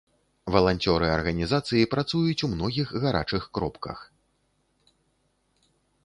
Валанцёры арганізацыі працуюць у многіх гарачых кропках.